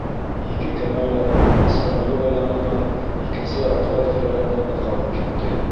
Ике кәмә лә «Испаньола» янынан икенсе яртылар тирәһендә ҡуҙғалып китте.